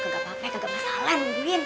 gak masalah nungguin